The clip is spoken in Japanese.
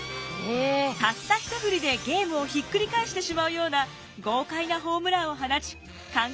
たったひとふりでゲームをひっくり返してしまうような豪快なホームランを放ち観客を熱狂させました！